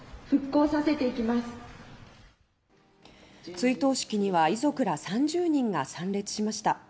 追悼式には、遺族らおよそ３０人が参列しました。